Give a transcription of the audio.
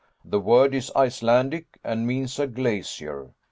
The word is Icelandic, and means a glacier.